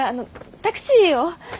タクシーを。